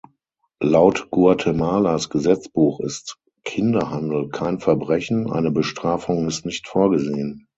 Laut Guatemalas Gesetzbuch ist Kinderhandel kein Verbrechen, eine Bestrafung ist nicht vorgesehen.